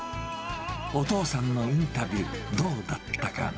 お父さんのインタビュー、どうだったかな？